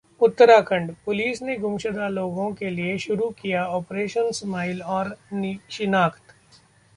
Uttarakhand: police ने गुमशुदा लोगों के लिए शुरू किया ऑपरेशन स्माइल और शिनाख्त